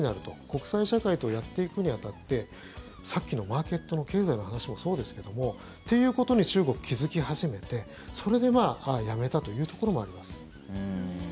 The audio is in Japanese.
国際社会とやっていくに当たってさっきのマーケットの経済の話もそうですけどもっていうことに中国は気付き始めてそれでやめたというところもあります。